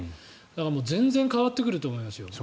だから全然変わってくると思いますね。